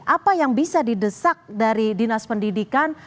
apa yang bisa didesak dari dinas pendidikan